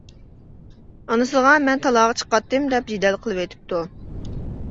ئانىسىغا «مەن تالاغا چىقاتتىم» دەپ جېدەل قىلىۋېتىپتۇ.